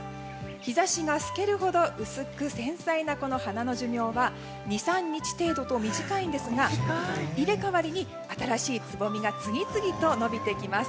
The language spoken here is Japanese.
日差しが透けるほど薄く繊細なこの花の寿命は２３日程度と短いんですが入れ替わりに新しいつぼみが次々と伸びてきます。